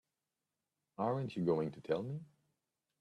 Aren't you going to tell me?